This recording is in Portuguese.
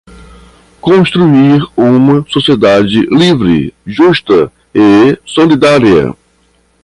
construir uma sociedade livre, justa e solidária;